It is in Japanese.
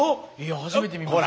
初めて見ました。